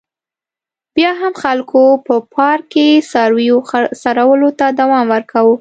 بیا هم خلکو په پارک کې څارویو څرولو ته دوام ورکاوه.